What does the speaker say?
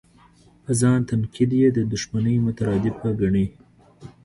په ځان تنقید یې د دوښمنۍ مترادفه ګڼي.